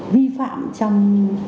vi phạm trong